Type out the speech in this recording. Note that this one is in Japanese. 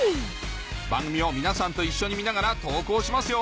番組を皆さんと一緒に見ながら投稿しますよ